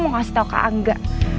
mau kasih tau ke angga